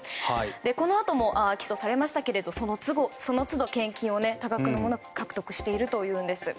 このあとも起訴されましたがその都度、多額の献金を獲得しているということです。